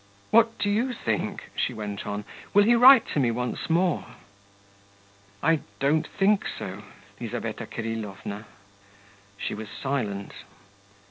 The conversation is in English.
'What do you think,' she went on: 'will he write to me once more?' 'I don't think so, Lizaveta Kirillovna!' She was silent.